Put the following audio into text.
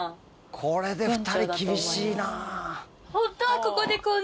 これで２人厳しいな。